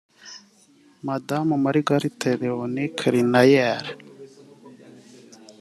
Madame Margarita Leoni Cuelenaere